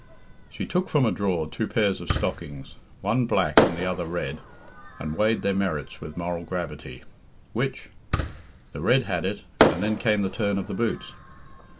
She took from a drawer two pairs of stockings, one black and the other red, and weighed their merits with moral gravity which? The red had it, and then came the turn of the boots.